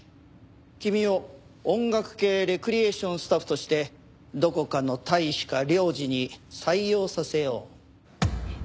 君を音楽系レクリエーションスタッフとしてどこかの大使か領事に採用させよう。